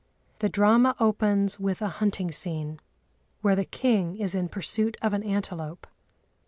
The drama opens with a hunting scene, where the king is in pursuit of an antelope.